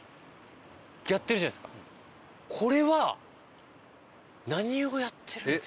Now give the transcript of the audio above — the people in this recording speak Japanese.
これは何をやってるんでしょう？